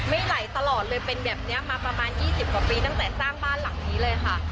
ไม่ไหลตลอดเลยเป็นแบบนี้มาประมาณ๒๐กว่าปีตั้งแต่สร้างบ้านหลังนี้เลยค่ะ